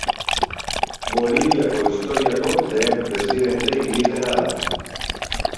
Boliviako historiako lehen presidente indigena da.